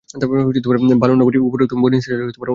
বনু Lawi উপরোক্ত Bani ইসরাঈলের অন্তর্ভুক্ত নয়।